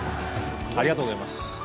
ありがとうございます。